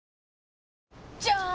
じゃーん！